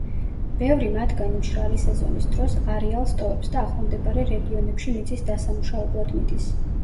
ბევრი მათგანი მშრალი სეზონის დროს არეალს ტოვებს და ახლომდებარე რეგიონებში მიწის დასამუშავებლად მიდის.